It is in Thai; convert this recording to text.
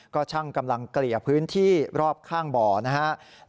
ก็ช่างกำลังเกลี่ยพื้นที่รอบข้างบ่อนะครับ